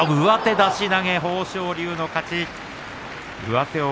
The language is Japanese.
上手出し投げ、豊昇龍の勝ち。